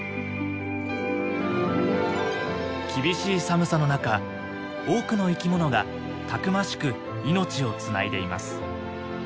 厳しい寒さの中多くの生き物がたくましく命をつないでいます。